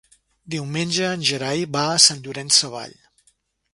Diumenge en Gerai va a Sant Llorenç Savall.